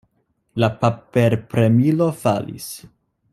La paperpremilo falis.